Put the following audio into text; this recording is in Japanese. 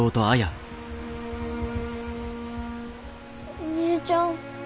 お姉ちゃん。